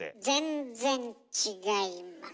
全然違います。